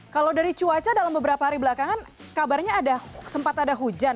kalau dari cuaca dalam beberapa hari belakangan kabarnya ada sempat ada hujan